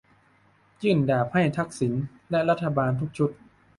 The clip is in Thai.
ยื่นดาบให้ "ทักษิณ" และรัฐบาลทุกชุด